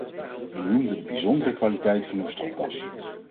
U noemde de bijzondere kwaliteit van uw stropdas.